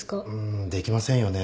んーできませんよね？